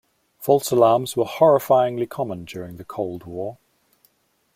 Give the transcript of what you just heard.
False alarms were horrifyingly common during the Cold War.